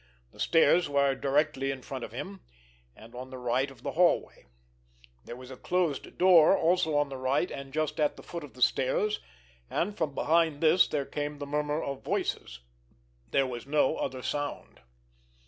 The stairs were directly in front of him, and on the right of the hallway. There was a closed door, also on the right and just at the foot of the stairs, and from behind this there came the murmur of voices. There was no other sound.